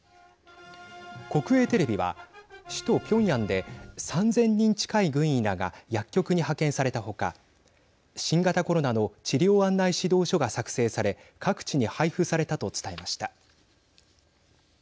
国営テレビは首都ピョンヤンで３０００人近い軍医らが薬局に派遣されたほか新型コロナの治療案内指導書が作成され各地に配布されたと伝えました。